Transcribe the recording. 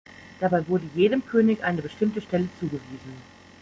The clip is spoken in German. Dabei wurde jedem König eine bestimmte Stelle zugewiesen.